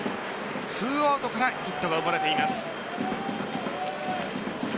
２アウトからヒットが生まれています。